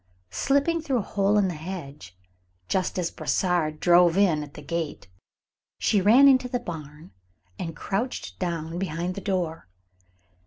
Slipping through a hole in the hedge, just as Brossard drove in at the gate, she ran into the barn and crouched down behind the door.